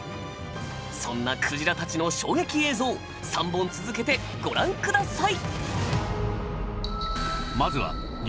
そんなクジラたちの衝撃映像３本続けてご覧ください！